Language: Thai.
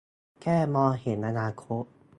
แค่มองเห็นอนาคต